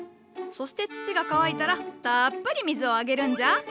そして土が乾いたらたっぷり水をあげるんじゃ。